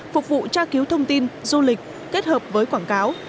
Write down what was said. phục vụ tra cứu thông tin du lịch kết hợp với quảng cáo